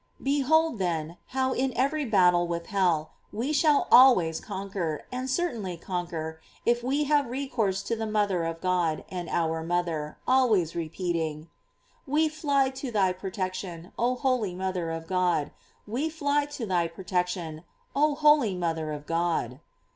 "* Behold, then, how in every battle with hell we shall always conquer, and cer tainly conquer, if we have recourse to the mother of God and our mother, always repeating: "We fly to thy protection, oh holy mother of God; we fly to thy protection, oh holy mother of God."